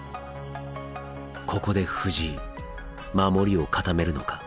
ここで藤井守りを固めるのか。